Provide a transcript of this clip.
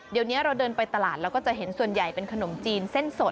เดี๋ยวนี้เราเดินไปตลาดเราก็จะเห็นส่วนใหญ่เป็นขนมจีนเส้นสด